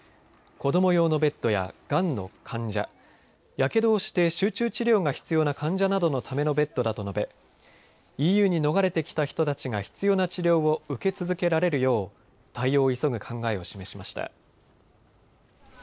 子ども用のベッドやがんの患者、やけどをして集中治療が必要な患者などのためのベッドだと述べ、ＥＵに逃れてきた人たちが必要な治療を受け続けられるよう対応を急ぐ考えを示しました。